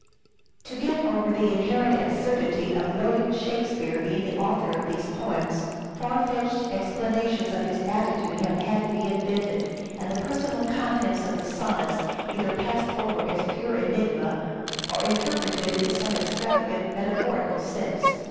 To get over the inherent absurdity of William Shakspere being the author of these poems, far fetched 444 "SHAKESPEARE" IDENTIFIED South explanations of his attitude have had to be invented, Oxford" *° an<^ tne personal contents of the sonnets either passed over as pure enigma, or interpreted in some extravagant metaphorical sense.